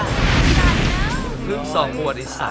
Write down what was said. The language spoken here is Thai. ยังไม่เลือกเห็นมั้ย